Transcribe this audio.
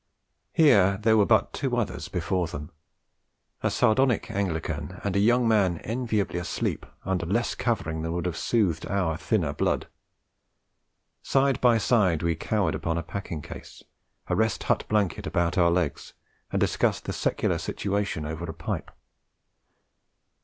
Here there were but other two before them: a sardonic Anglican, and a young man enviably asleep under less covering than would have soothed our thinner blood. Side by side we cowered upon a packing case, a Rest Hut blanket about our legs, and discussed the secular situation over a pipe.